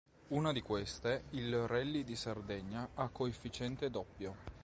Una di queste il Rally di Sardegna a coefficiente doppio.